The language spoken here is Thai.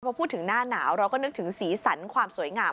พอพูดถึงหน้าหนาวเราก็นึกถึงสีสันความสวยงาม